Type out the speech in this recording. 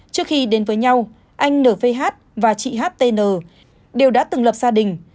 trước khi đến với nhau anh n v h và chị h t n đều đã từng lập gia đình